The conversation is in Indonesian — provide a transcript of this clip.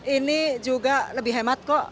ini juga lebih hemat kok